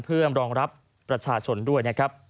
เพื่อรองรับประชาชนด้วย